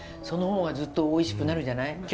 その方がずっとおいしくなるじゃない？